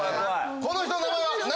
この人の名前は何？